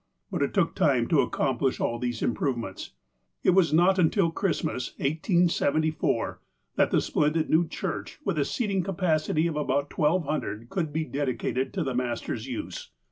But it took time to accomplish all these improvements. It was not until Christmas, 1874, that the splendid new church, with a seating capacity of about 1,200, could be dedicated to the Master's use.